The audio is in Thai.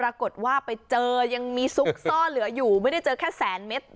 ปรากฏว่าไปเจอยังมีซุกซ่อนเหลืออยู่ไม่ได้เจอแค่แสนเมตร